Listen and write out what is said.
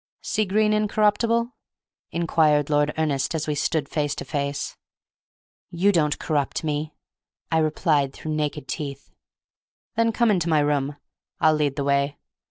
"'Sea green Incorruptible?'" inquired Lord Ernest as we stood face to face. "You don't corrupt me," I replied through naked teeth. "Then come into my room. I'll lead the way.